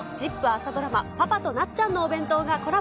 朝ドラマ、パパとなっちゃんのお弁当がコラボ。